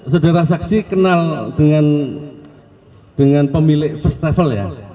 saudara saksi kenal dengan pemilik first travel ya